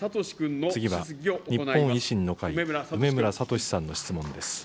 次は日本維新の会、梅村聡さんの質問です。